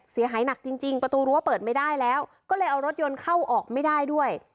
เสียหายหนักจริงประตูรั้วเปิดไม่ได้แล้วก็เลยเอารถยนต์เข้าออกไม่ได้ด้วย